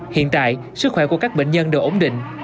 hiện tại sức khỏe của các bệnh nhân đều ổn định